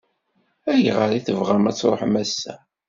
Ayɣer i tebɣam ad tṛuḥem ass-a?